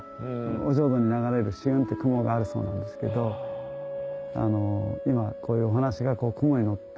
お浄土に流れる紫雲って雲があるそうなんですけど今こういうお話が雲にのって。